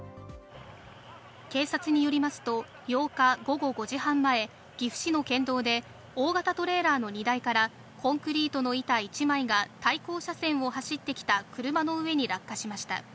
警察によりますと、８日午後５時半前、岐阜市の県道で大型トレーラーの荷台からコンクリートの板１枚が対向車線を走ってきた車の上に落下しました。